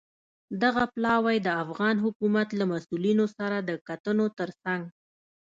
دغه پلاوی د افغان حکومت له مسوولینو سره د کتنو ترڅنګ